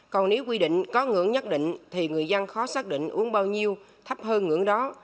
còn nếu quy định có ngưỡng nhất định thì người dân khó xác định uống bao nhiêu thấp hơn ngưỡng đó